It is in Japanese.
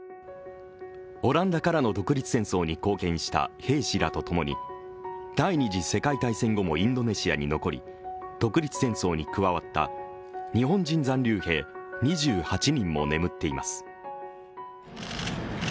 オランダからの独立戦争に貢献した兵士らとともに第二次世界大戦後もインドネシアに残り独立戦争に加わった日本人残留兵２８人も眠っています。